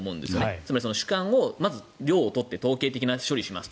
つまり主観を、量を取って統計的な処理をしますと。